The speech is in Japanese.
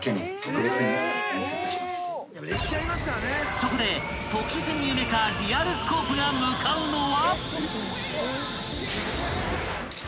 ［そこで特殊潜入メカリアルスコープが向かうのは］